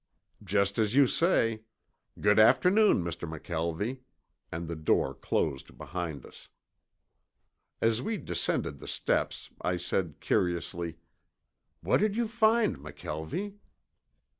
"Just as you say. Good afternoon, Mr. McKelvie," and the door closed behind us. As we descended the steps I said curiously, "What did you find, McKelvie?"